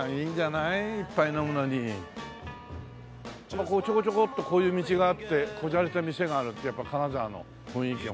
まあこうちょこちょこっとこういう道があってこじゃれた店があるってやっぱ金沢の雰囲気が。